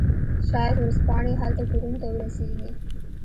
شاید ورځپاڼې هلته کورونو ته ورسیږي